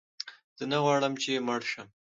زه نه غواړم چې مړ شم.